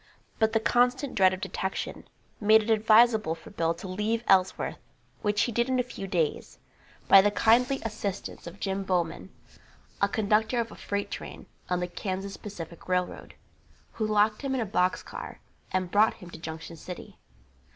But the constant dread of detection made it advisable for Bill to leave Ellsworth, which he did in a few days, by the kindly assistance of Jim Bomon, a conductor of a freight train on the Kansas Pacific railroad, who locked him in a box car and brought him to Junction City.